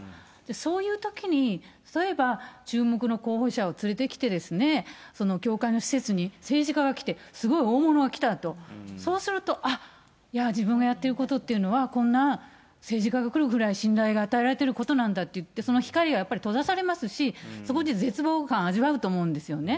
そういうときに、例えば注目の候補者を連れてきて、教会の施設に政治家が来て、すごい大物が来たと、そうすると、あっ、自分がやってるということというのは、こんな政治家が来るぐらい信頼が与えられてることなんだっていって、その光がやっぱり閉ざされますし、そこに絶望感味わうと思うんですよね。